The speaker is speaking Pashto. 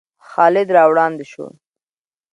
خالد را وړاندې شو.